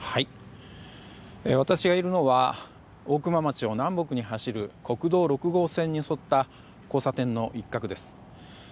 私がいるのは大熊町を南北に走る国道６号線に沿った交差点の一角です。